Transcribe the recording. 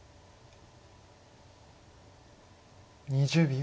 ２０秒。